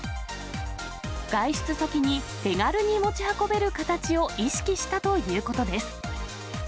外出先に手軽に持ち運べる形を意識したということです。